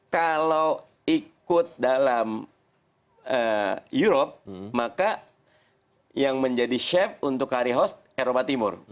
kalau ikut dalam europe maka yang menjadi chef untuk curry house eropa timur